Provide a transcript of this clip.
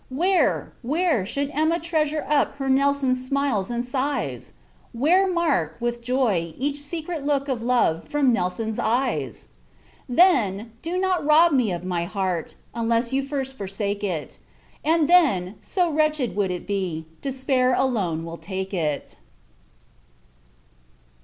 Where! where! should Emma treasure up Her Nelson's smiles and sighs? Where mark, with joy, each secret look Of love, from Nelson's eyes? Then, do not rob me of my heart, Unless you first forsake it; And, then, so wretched it would be, Despair alone will take it.